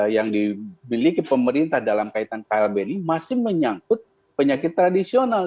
yang dimiliki pemerintah dalam kaitan klb ini masih menyangkut penyakit tradisional